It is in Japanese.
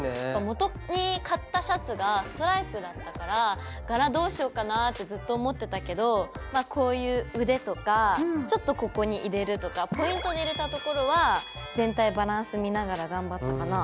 もとに買ったシャツがストライプだったからがらどうしようかなってずっと思ってたけどこういう腕とかちょっとここに入れるとかポイントで入れたところは全体バランス見ながら頑張ったかな。